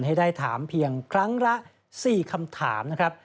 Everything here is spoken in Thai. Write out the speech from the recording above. ให้ได้ถามเพียงครั้งละ๔คำถามนะครับ